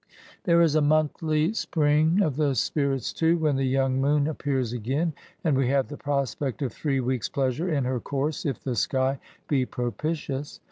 There is a monthly NATURE TO THB INVALID. 56 spring of the spirits too^ when the young moon appears again, and we have the prospect of three weeks' pleasure in her course^ if the sky be propi tious.